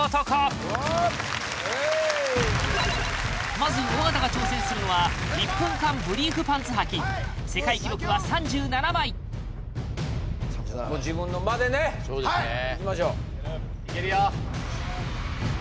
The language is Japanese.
まず尾形が挑戦するのは１分間ブリーフパンツはき世界記録は３７枚もう自分の間でねいきましょういけるよ